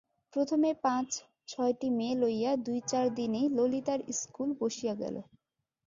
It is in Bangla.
প্রথমে পাঁচ-ছয়টি মেয়ে লইয়া দুই-চার দিনেই ললিতার ইস্কুল বসিয়া গেল।